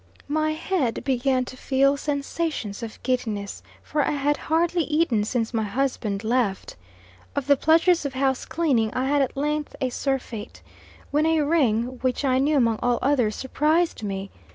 My head began to feel sensations of giddiness for I had hardly eaten since my husband left. Of the pleasures of house cleaning, I had at length a surfeit; when a ring, which I knew among all others, surprised me.